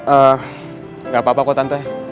eh gak apa apa kok tante